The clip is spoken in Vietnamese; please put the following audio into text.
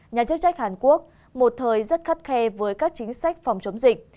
nhà chức trách hàn quốc một thời rất khắt khe với các chính sách phòng chống dịch